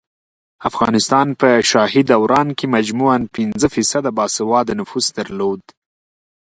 افغانستان په شاهي دوران کې مجموعاً پنځه فیصده باسواده نفوس درلود